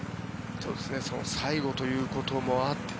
最後ということもあって